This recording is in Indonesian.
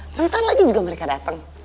tentang lagi juga mereka datang